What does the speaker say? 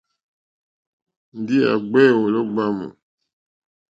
Ndǐ à ɡbě wòló ɡbámù.